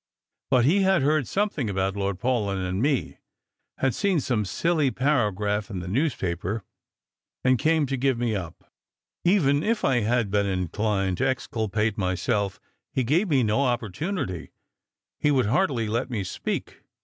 But he had heard something about Lord Paulyn and me; had seen some silly paragraph in a, iiews l)aper, and came to give me up. Even if 1 had been inclined to exculpate myself, he gave me no opportunity ; he would hardly lot me speak.